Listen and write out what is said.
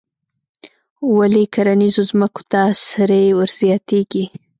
ولې کرنیزو ځمکو ته سرې ور زیاتیږي؟